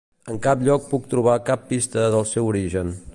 En cap lloc puc trobar cap pista del seu origen.